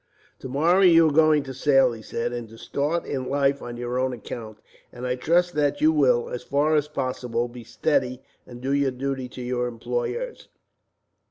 "Tomorrow you are going to sail," he said, "and to start in life on your own account, and I trust that you will, as far as possible, be steady, and do your duty to your employers.